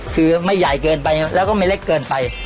คือไม่ใหญ่เกินไปแล้วก็ไม่เล็กเกินไป